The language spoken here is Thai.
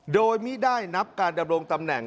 โดยไม่ได้นับการดำรงตำแหน่ง